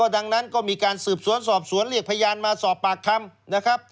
ดังนั้นก็มีการสืบสวนสอบสวนเรียกพยานมาสอบปากคำนะครับ